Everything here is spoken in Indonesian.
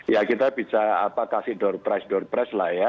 ya kita bisa kasih door press